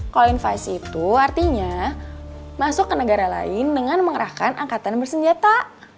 callin vice itu artinya masuk ke negara lain dengan mengerahkan angkatan bersenjata